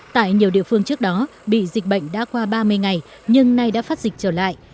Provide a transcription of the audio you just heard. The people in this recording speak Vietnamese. tại nhiều địa phương trước đó bị dịch bệnh đã qua ba mươi ngày nhưng nay đã phát dịch trở lại